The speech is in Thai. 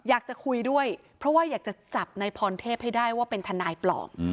อยากจะคุยด้วยเพราะว่าอยากจะจับนายพรเทพให้ได้ว่าเป็นทนายปลอม